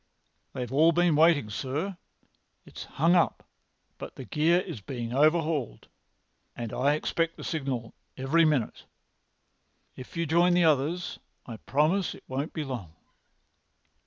"They've all been waiting, sir. It's hung up, but the gear is being overhauled, and I expect the signal every minute. If you join the others I promise it won't be long."